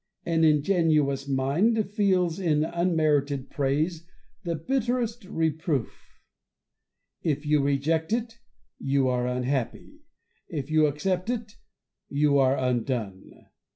An ingenuous mind feels in unmerited praise the bitterest reproof. If you reject it, you are unhappy ; if you accept it, you are undone.